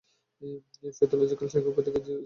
Pathological, psychopathic স্কিজোফেরেনিক!